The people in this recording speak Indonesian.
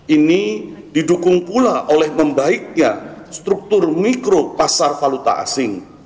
ini didukung pula oleh membaiknya struktur mikro pasar valuta asing